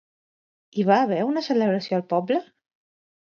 Hi va haver una celebració al poble?